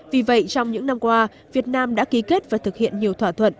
vì vậy trong những năm qua việt nam đã ký kết và thực hiện nhiều thỏa thuận